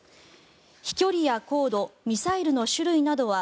飛距離や高度ミサイルの種類などは